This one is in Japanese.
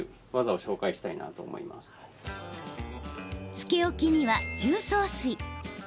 つけ置きには重曹水。